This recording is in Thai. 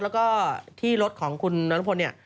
แล้วก็ที่รถของคุณน้องท่านพล